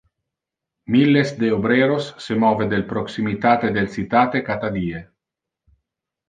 Milles de obreros se move del proximitate del citate cata die.